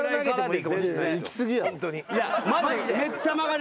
いやマジで。